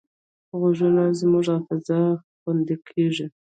غږونه زموږ حافظه کې خوندي کېږي